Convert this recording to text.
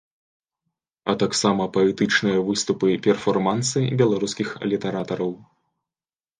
А таксама паэтычныя выступы-перформансы беларускіх літаратараў.